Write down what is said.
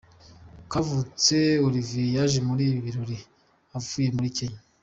Kavutse Olivier yaje muri ibi birori avuye muri Kenya.